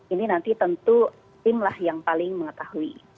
ini nanti tentu tim lah yang paling mengetahui